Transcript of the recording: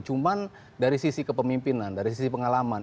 cuma dari sisi kepemimpinan dari sisi pengalaman